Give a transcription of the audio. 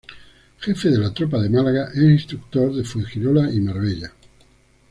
Jefe de la tropa de Málaga e instructor de Fuengirola y Marbella.